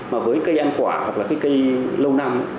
mà với cây ăn quả hoặc là cây lâu năm